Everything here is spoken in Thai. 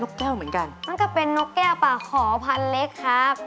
แก้วเหมือนกันนั่นก็เป็นนกแก้วป่าขอพันเล็กครับ